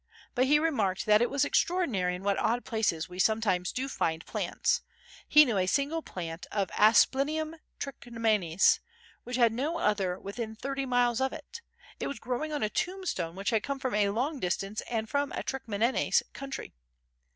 But he remarked that it was extraordinary in what odd places we sometimes do find plants; he knew a single plant of Asplenium Trichomanes which had no other within thirty miles of it; it was growing on a tombstone which had come from a long distance and from a Trichomanes country.